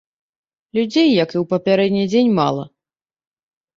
Людзей, як і ў папярэдні дзень мала.